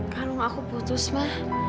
kalau aku putus ma